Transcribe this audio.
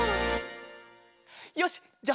よしじゃあ